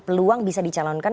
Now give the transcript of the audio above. peluang bisa dicalonkan